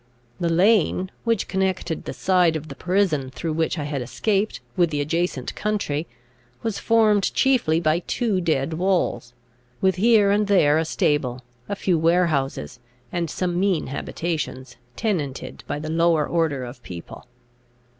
The lane, which connected the side of the prison through which I had escaped with the adjacent country, was formed chiefly by two dead walls, with here and there a stable, a few warehouses, and some mean habitations, tenanted by the lower order of people.